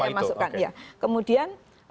iya saya masukkan kemudian